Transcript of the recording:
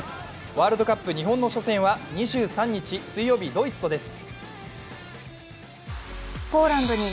ワールドカップ日本の初戦は２３日水曜日、ドイツとです。